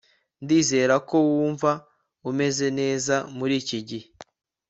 Ndizera ko wumva umeze neza muri iki gihe